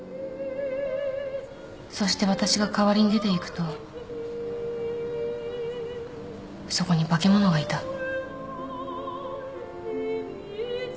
そして私が代わりに出ていくとそこに化け物がいた。